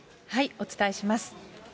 お伝えします。